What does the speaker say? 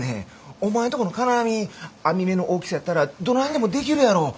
お前んとこの金網網目の大きさやったらどないにでもできるやろ。